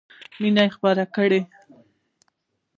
مینه خپره کړئ!